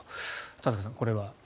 田坂さん、これは。